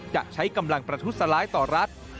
จะใช้กำลังประทุษร้ายต่อรัฐ